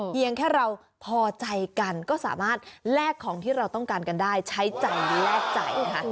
เพียงแค่เราพอใจกันก็สามารถแลกของที่เราต้องการกันได้ใช้ใจแลกใจนะคะ